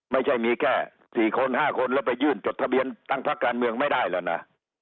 ไม่ใช่มีแค่๔คน๕คนแล้วไปยื่นจดทะเบียนตั้งพักการเมืองไม่ได้แล้วนะ